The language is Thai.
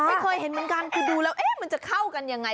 ไม่เคยเห็นเหมือนกันคือดูแล้วเอ๊ะมันจะเข้ากันยังไง